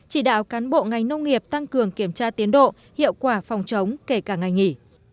chỉ đạo cán bộ ngành nông nghiệp tăng cường kiểm tra tiến độ hiệu quả phòng chống kể cả ngày nghỉ